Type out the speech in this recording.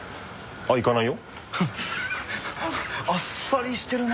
あっさりしてるな。